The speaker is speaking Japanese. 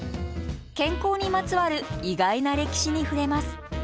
健康にまつわる意外な歴史に触れます。